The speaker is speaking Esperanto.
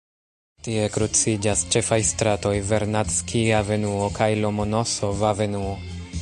Tie kruciĝas ĉefaj stratoj Vernadskij-avenuo kaj Lomonosov-avenuo.